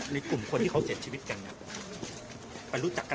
ในกลุ่มคนที่เขาเสียชีวิตกันไปรู้จักกัน